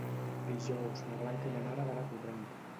Dijous na Blanca i na Nara van a Torrent.